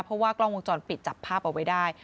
เพราะว่ากล้องวงจรปิดจับภาพเอาไว้ได้